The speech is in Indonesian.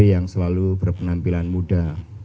yang selalu berpenampilan muda